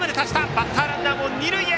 バッターランナーも二塁へ！